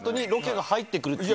が入ってくるっていう。